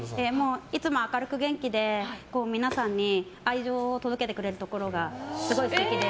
いつも明るく元気で皆さんに愛情を届けてくれるところがすごい素敵で。